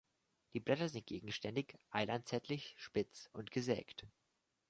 Die Blätter sind gegenständig, eilanzettlich, spitz und gesägt.